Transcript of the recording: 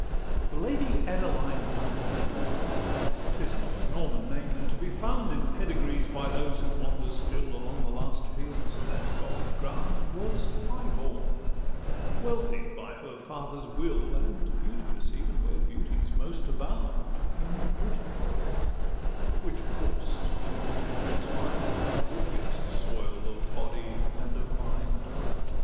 II The Lady Adeline Amundeville ('T is an old Norman name, and to be found In pedigrees, by those who wander still Along the last fields of that Gothic ground) Was high born, wealthy by her father's will, And beauteous, even where beauties most abound, In Britain which of course true patriots find The goodliest soil of body and of mind.